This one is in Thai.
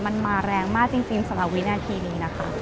มันมาแรงมากจริงสำหรับวินาทีนี้นะคะ